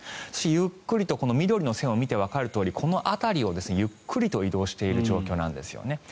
ゆっくりと緑の線を見てもわかるとおりこの辺りをゆっくりと移動している状況なんですよね。